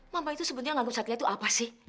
mama itu sebetulnya nganggur satya itu apa sih